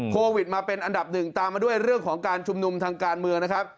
โควิดมาเป็นอันดับหนึ่งตามมาด้วยเรื่องของการชุมนุมทางการเมืองนะครับ